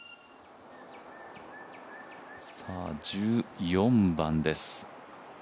１４番です。